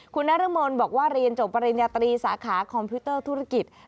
คุณนรมนบอกว่าเรียนจบปริญญาตรีสาขาคอมพิวเตอร์ธุรกิจ